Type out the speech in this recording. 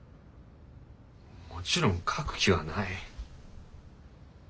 もちろん書く気はない。